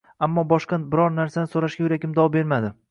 Ammo boshqa biror narsani so‘rashga yuragim dov bermadi.